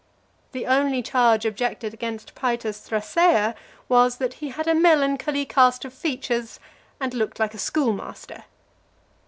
The only charge objected against Paetus Thrasea was, that he had a melancholy cast of features, and looked like a schoolmaster.